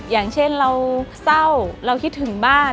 อย่างเช่นเราเศร้าเราคิดถึงบ้าน